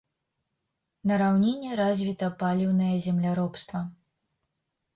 На раўніне развіта паліўнае земляробства.